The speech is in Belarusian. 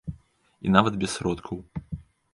І нават без сродкаў.